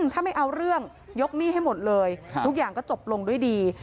ถ้าไม่เอาเรื่องยกหนี้ให้หมดเลยทุกอย่างก็จบลงด้วยดี